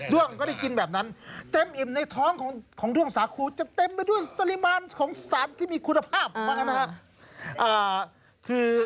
้วงก็ได้กินแบบนั้นเต็มอิ่มในท้องของด้วงสาคูจะเต็มไปด้วยปริมาณของสารที่มีคุณภาพบ้างนะครับ